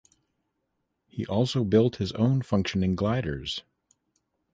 He also built his own functioning gliders.